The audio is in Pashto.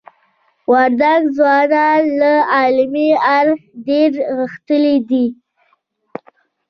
وردګ ځوانان له علمی اړخ دير غښتلي دي.